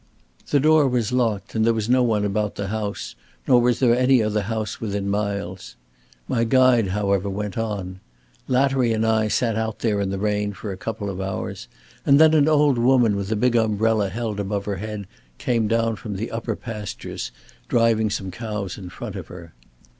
The door was locked, and there was no one about the house, nor was there any other house within miles. My guide, however, went on. Lattery and I sat out there in the rain for a couple of hours, and then an old woman with a big umbrella held above her head came down from the upper pastures, driving some cows in front of her.